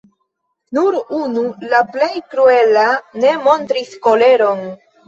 Nur unu, la plej kruela, ne montris koleron.